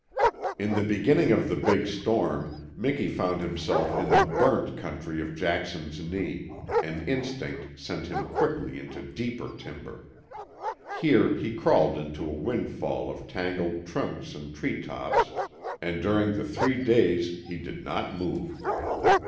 In the beginning of the Big Storm Miki found himself in the "burnt" country of Jackson's Knee, and instinct sent him quickly into deeper timber. Here he crawled into a windfall of tangled trunks and tree tops, and during the three days he did not move.